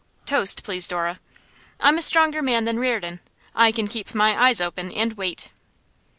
(Toast, please, Dora.) I'm a stronger man than Reardon; I can keep my eyes open, and wait.